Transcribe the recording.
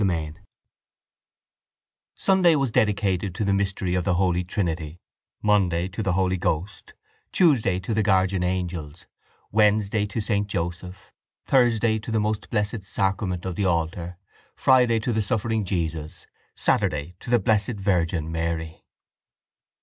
Chapter IV Sunday was dedicated to the mystery of the Holy Trinity, Monday to the Holy Ghost, Tuesday to the Guardian Angels, Wednesday to Saint Joseph, Thursday to the Most Blessed Sacrament of the Altar, Friday to the Suffering Jesus, Saturday to the Blessed Virgin Mary.